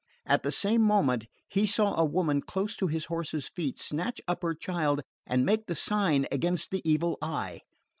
At the same moment he saw a woman close to his horse's feet snatch up her child and make the sign against the evil eye.